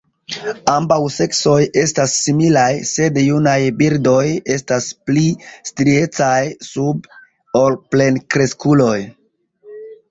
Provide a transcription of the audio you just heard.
Ambaŭ seksoj estas similaj, sed junaj birdoj estas pli striecaj sube ol plenkreskuloj.